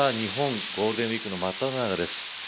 次は日本ゴールデンウイークのまっただ中です。